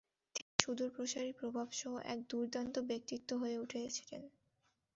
তিনি সুদূরপ্রসারী প্রভাব সহ এক দুর্দান্ত ব্যক্তিত্ব হয়ে উঠেছিলেন।